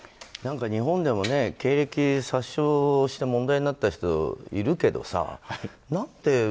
日本でも経歴詐称をして問題になった人がいるけどさ何で。